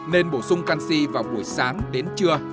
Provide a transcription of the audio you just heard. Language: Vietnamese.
nên bổ sung canxi vào buổi sáng đến trưa